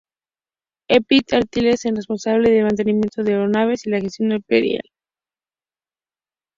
Ethiopian Airlines es responsable del mantenimiento de aeronaves y la gestión operacional.